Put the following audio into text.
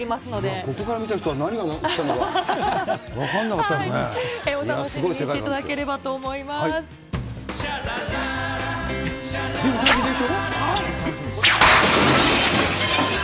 ここから見た人は何が起こっお楽しみにしていただければで、うさぎでしょ？